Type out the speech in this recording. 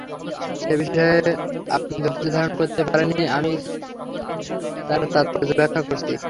যে বিষয়ে আপনি ধৈর্য ধারণ করতে পারেননি, আমি তার তাৎপর্য ব্যাখ্যা করছি।